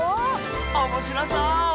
おもしろそう！